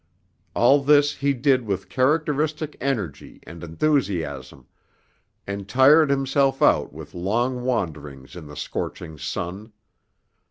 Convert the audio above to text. All this he did with characteristic energy and enthusiasm, and tired himself out with long wanderings in the scorching sun.